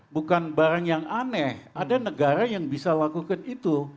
bukan barang yang aneh ada negara yang bisa lakukan itu